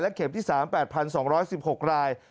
เข็มที่๓๘๒๑๖ราย